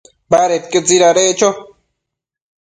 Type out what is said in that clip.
Badedquio tsidadeccho